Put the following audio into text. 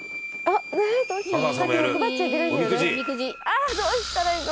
ああどうしたらいいの？